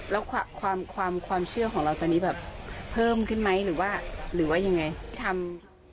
แล้วความเชื่อของเราตอนนี้แบบเพิ่มขึ้นไหมหรือว่าหรือว่ายังไงทำ